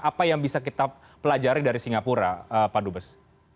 apa yang bisa kita pelajari dari singapura pak dubes